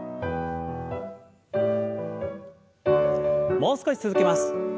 もう少し続けます。